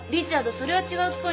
それは違うっぽいのよ。